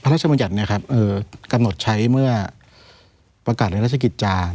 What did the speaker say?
มัญญัติกำหนดใช้เมื่อประกาศในราชกิจจา